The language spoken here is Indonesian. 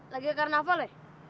lagian karena apa leh